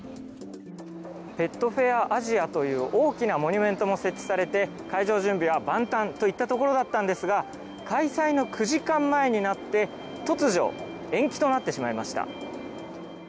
ペットフェアアジアという大きなモニュメントも設置されて会場準備は万端といったところだったんですが開催の９時間前になって突如延期となってしまいました。